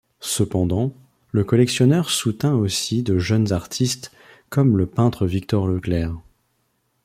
Cependant, le collectionneur soutint aussi de jeunes artistes comme le peintre Victor Leclaire.